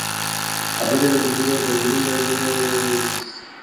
A partir del reconocimiento del Cristianismo, Palestrina se convirtió en diócesis.